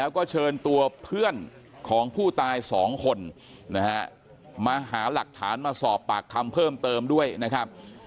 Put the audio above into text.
แล้วก็เชิญตัวเพื่อนของผู้ตาย๒คนมาหาหลักฐานมาสอบปากคำเพิ่มเติมด้วยนะครับ